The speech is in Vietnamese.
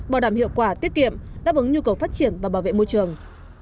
bảo đảm hiệu quả tiết kiệm đáp ứng nhu cầu phát triển và bảo vệ môi trường